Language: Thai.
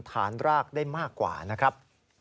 ฐานรากได้มากกว่านะครับ